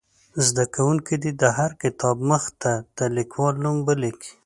زده کوونکي دې د هر کتاب مخ ته د لیکوال نوم ولیکي.